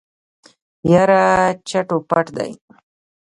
يره چټ و پټ دی.